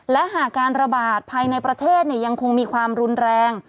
และหากการระบาดภายในประเทศยังคงมีความรุนแรง